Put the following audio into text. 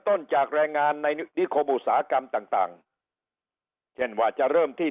ต้นจากแรงงานในนิคมอุษากรรมต่างเช่นว่าจะ